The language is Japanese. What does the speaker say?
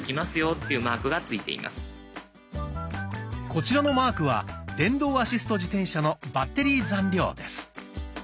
こちらのマークは電動アシスト自転車のバッテリー残量です。